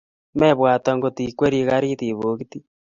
mepwat angot ikweri garit ipokiti